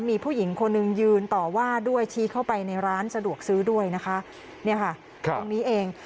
มีผู้หญิงคนหนึ่งยืนต่อว่าด้วยชี้เข้าไปในร้านสะดวกซื้อด้วยนะคะเนี่ยค่ะตรงนี้เอง